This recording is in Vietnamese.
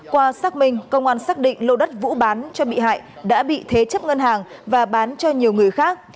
qua xác minh công an xác định lô đất vũ bán cho bị hại đã bị thế chấp ngân hàng và bán cho nhiều người khác